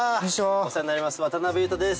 お世話になります渡辺裕太です。